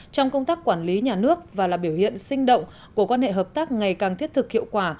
trong công tác quản lý nhà nước và là biểu hiện sinh động của quan hệ hợp tác ngày càng thiết thực hiệu quả